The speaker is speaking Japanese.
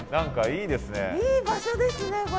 いい場所ですねこれ。